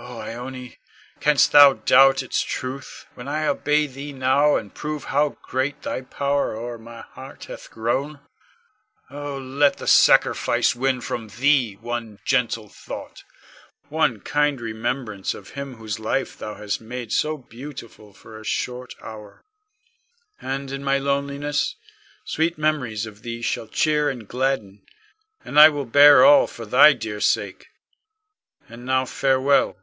Oh, Ione, canst thou doubt its truth, when I obey thee now and prove how great thy power o'er my heart hath grown? Oh, let the sacrifice win from thee one gentle thought, one kind remembrance of him whose life thou hast made so beautiful for a short hour. And in my loneliness, sweet memories of thee shall cheer and gladden, and I will bear all for thy dear sake. And now farewell.